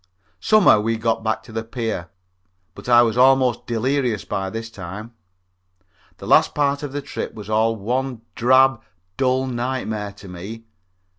Somehow we got back to the pier, but I was almost delirious by this time. The last part of the trip was all one drab, dull nightmare to me.